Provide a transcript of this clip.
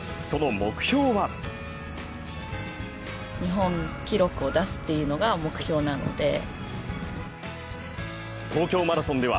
その目標は？日本記録を出すっていうのが目標なので。